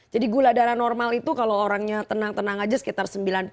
jadi gula darah normal itu kalau orangnya tenang tenang aja sekitar sembilan puluh